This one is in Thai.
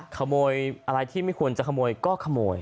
ขโมยอะไรที่ไม่ควรจะขโมยก็ขโมย